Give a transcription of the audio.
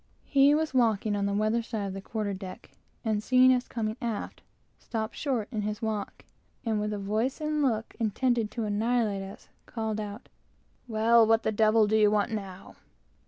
He was walking the weather side of the quarter deck, and seeing us coming aft, stopped short in his walk, and, with a voice and look intended to annihilate us, called out, "Well, what do you want now?"